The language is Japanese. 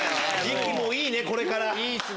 時期もいいねこれから。